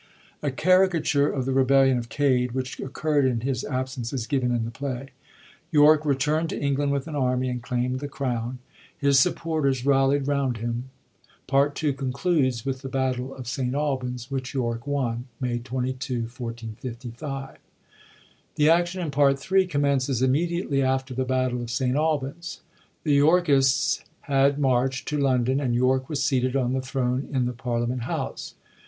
A cari cature of the rebellion of Cade, which occurrd in his absence, is g^ven in the play. York returnd to England with an army, and claimd the crown. His supporters 84 HENRY VI., PART 3 rallied round him. Part II. concludes with the battle of St. Albans, which York won, May 22, 1455. The action in Part III. commences immediately after the battle of St. Albans. The Torkists had marcht to London, and York was seated on the throne in the Parliament House.